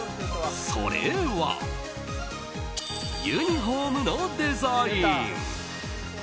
それは、ユニホームのデザイン。